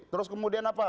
terus kemudian apa